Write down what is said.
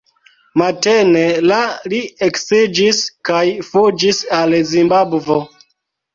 Matene la li eksiĝis kaj fuĝis al Zimbabvo.